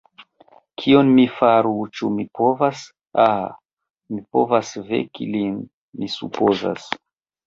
Kion mi faru, ĉu mi povas... ah, mi povas veki lin, mi supozas.